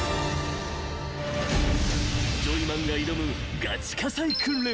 ［ジョイマンが挑むがち火災訓練］